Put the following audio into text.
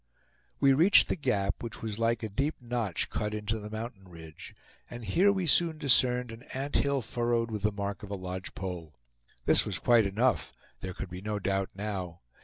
We reached the gap, which was like a deep notch cut into the mountain ridge, and here we soon discerned an ant hill furrowed with the mark of a lodge pole. This was quite enough; there could be no doubt now.